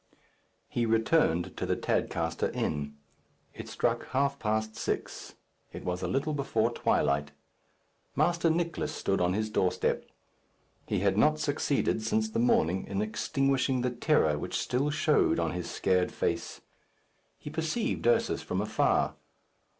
He returned to the Tadcaster Inn, It struck half past six. It was a little before twilight. Master Nicless stood on his doorstep. He had not succeeded, since the morning, in extinguishing the terror which still showed on his scared face. He perceived Ursus from afar.